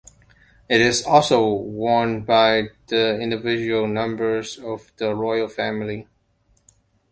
It is also worn by the individual members of the royal family.